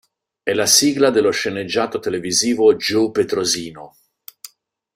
È la sigla dello sceneggiato televisivo "Joe Petrosino".